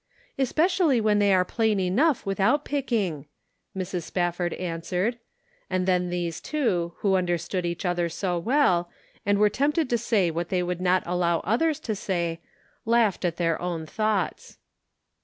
" Especially when they are plain enough, picking," Mrs. Spafford answered ; and 100 The Pocket Measure. then these two, who understood each other so well, and were tempted to say what they would not allow themselves' to say, laughed at their own thoughts.